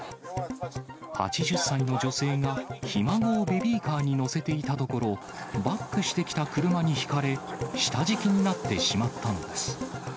８０歳の女性がひ孫をベビーカーに乗せていたところ、バックしてきた車にひかれ、下敷きになってしまったのです。